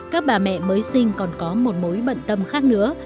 các bà mẹ mới sinh còn có một mối bận tâm khác nữa